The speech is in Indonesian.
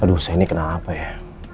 aduh saya ini kena apa ya